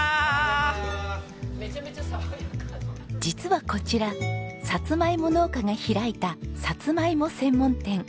実はこちらサツマイモ農家が開いたサツマイモ専門店。